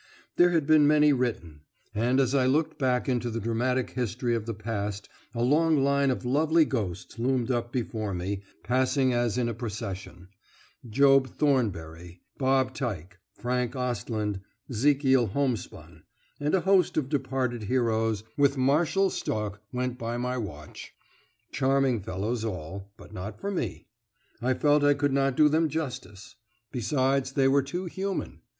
There had been many written, and as I looked back into the dramatic history of the past a long line of lovely ghosts loomed up before me, passing as in a procession: Job Thornberry, Bob Tyke, Frank Ostland, Zekiel Homespun, and a host of departed heroes "with martial stalk went by my watch." Charming fellows all, but not for me, I felt I could not do them justice. Besides, they were too human.